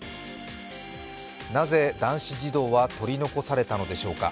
なぜ男子児童は取り残されたのでしょうか。